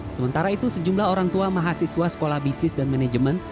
sementara itu sejumlah orang tua mahasiswa sekolah bisnis dan manajemen